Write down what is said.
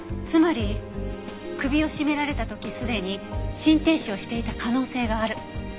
つまり首を絞められた時すでに心停止をしていた可能性がある。